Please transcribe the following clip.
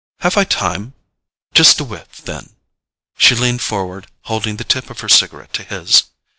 "Have I time? Just a whiff, then." She leaned forward, holding the tip of her cigarette to his.